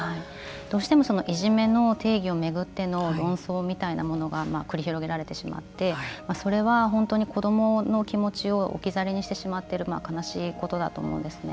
どうしてもいじめの定義を巡っての論争みたいなものが繰り広げられてしまってそれは本当に子どもの気持ちを置き去りにしてしまっている悲しいことだと思うんですね。